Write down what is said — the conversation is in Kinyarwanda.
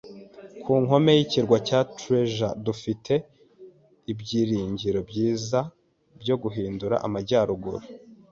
ku nkombe y'Ikirwa cya Treasure, dufite ibyiringiro byiza byo guhindura amajyaruguru